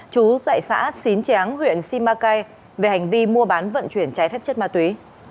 chú tại xã xín tráng huyện simacai về hành vi mua bán vận chuyển trái phép chất ma túy